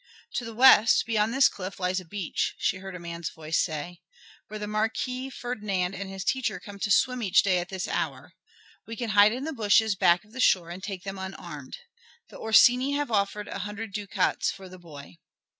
"To the west, beyond this cliff, lies a beach," she heard a man's voice say, "where the Marquis Ferdinand and his teacher come to swim each day at this hour. We can hide in the bushes back of the shore and take them unarmed. The Orsini have offered an hundred ducats for the boy."